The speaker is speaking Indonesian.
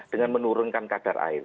dengan menurunkan kadar air